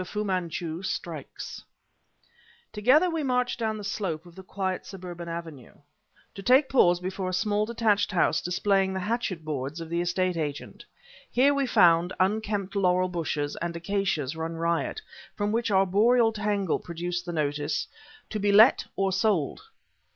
FU MANCHU STRIKES Together we marched down the slope of the quiet, suburban avenue; to take pause before a small, detached house displaying the hatchet boards of the Estate Agent. Here we found unkempt laurel bushes and acacias run riot, from which arboreal tangle protruded the notice "To be Let or Sold."